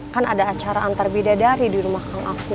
kan ada acara antar bidadari di rumah kang aku